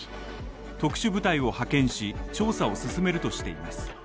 特殊部隊を派遣し、調査を進めるとしています。